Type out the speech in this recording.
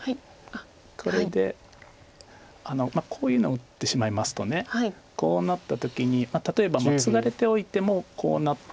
これでこういうの打ってしまいますとこうなった時に例えばツガれておいてもこうなって。